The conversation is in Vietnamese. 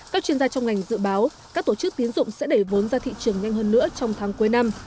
các chuyên gia trong ngành dự báo các tổ chức tiến dụng sẽ đẩy vốn ra thị trường nhanh hơn nữa trong tháng cuối năm